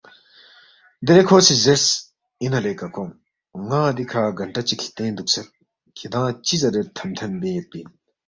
دیرے کھو سی زیرس، اِنا لے ککونگ ن٘ا دِکھہ گھنٹہ چِک ہلتین دُوکسید کھِدانگ چِہ زیرے تھم تھم بین یودپی اِن؟